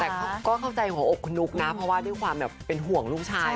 แต่ก็เข้าใจหัวอกคุณนุ๊กนะเพราะว่าด้วยความแบบเป็นห่วงลูกชาย